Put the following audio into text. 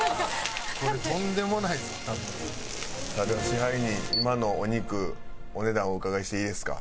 さあでは支配人今のお肉お値段お伺いしていいですか？